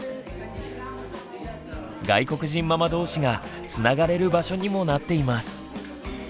外国人ママ同士がつながれる場所にもなっています。